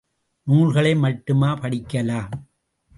நூல்களை மட்டுமா படிக்கலாம்?